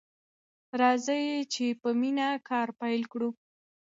راځئ چې په مینه کار پیل کړو.